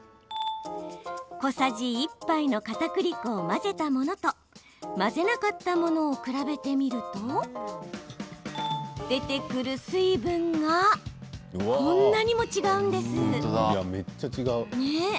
小さじ１杯のかたくり粉を混ぜたものと混ぜなかったものを比べてみると出てくる水分がこんなにも違うんです。